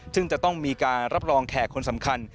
ซึ่งจะต้องมีการรับรองแขกคนสำคัญ